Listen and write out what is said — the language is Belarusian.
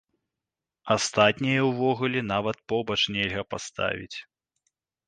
Астатняе увогуле нават побач нельга паставіць.